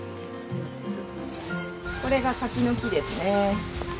これが柿の木ですね。